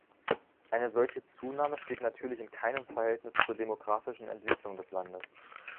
Eine solche Zunahme steht natürlich in keinem Verhältnis zur demographischen Entwicklung des Landes.